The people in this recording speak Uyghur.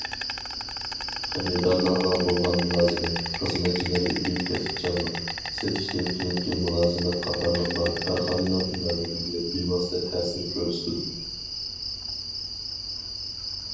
خېرىدارلارغا بولغان مۇلازىمەت، خىزمەتچىلەردىكى كەسىپچانلىق، سېتىشتىن كېيىنكى مۇلازىمەت قاتارلىقلار كارخانىنىڭ ئىناۋىتىگە بىۋاسىتە تەسىر كۆرسىتىدۇ.